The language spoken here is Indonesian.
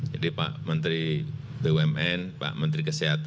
jadi pak menteri bumn pak menteri kesehatan